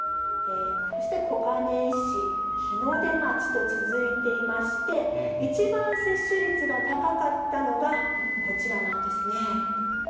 そして小金井市、日の出町と続いていまして、一番接種率が高かったのがこちらなんですね。